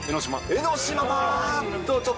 江の島。